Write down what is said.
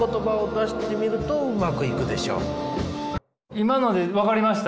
今ので分かりました？